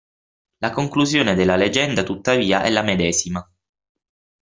La conclusione della leggenda tuttavia è la medesima.